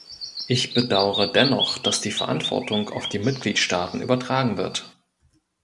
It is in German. Ich bedauere dennoch, dass die Verantwortung auf die Mitgliedstaaten übertragen wird.